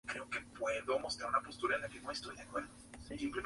Se interesa, siendo aún muy joven, por la cuestión social.